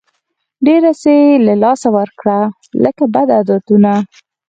ډېر څه له لاسه ورکړه لکه بد عادتونه.